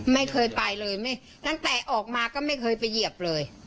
ไม่เคยไปเลยตั้งแต่ออกมาก็ไม่เคยไปเหยียบเลย